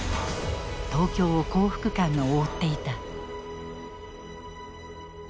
東京を幸福感が覆っていた。